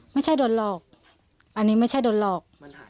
ไม่ใช่โดนหลอกอันนี้ไม่ใช่โดนหลอก